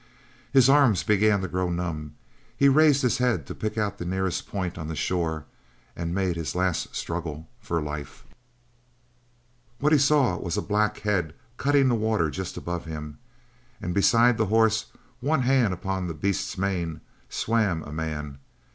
His arms began to grow numb. He raised his head to pick out the nearest point on the shore and make his last struggle for life. What he saw was a black head cutting the water just above him, and beside the horse, one hand upon the beast's mane, swam a man.